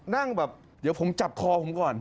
นั่งแบบเดี๋ยวผมจับคอผมก่อน